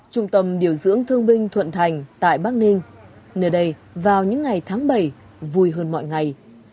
trung tâm điều dưỡng thương binh thuận thành tại bắc ninh nơi đây vào những ngày tháng bảy vui hơn mọi ngày